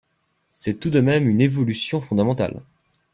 C’est tout de même une évolution fondamentale.